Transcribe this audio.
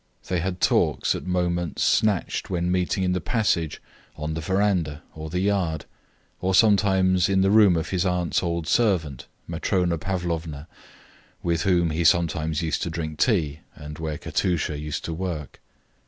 They had talks at moments snatched when meeting in the passage, on the veranda, or the yard, and sometimes in the room of his aunts' old servant, Matrona Pavlovna, with whom he sometimes used to drink tea, and where Katusha used to work.